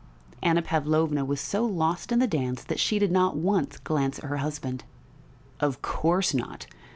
Anna Pavlovna was so lost in the dance that she did not once glance at her husband. "Of course not!